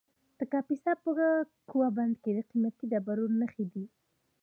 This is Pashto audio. د کاپیسا په کوه بند کې د قیمتي ډبرو نښې دي.